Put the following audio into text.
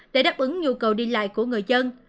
để đáp ứng nhu cầu đi lại của người dân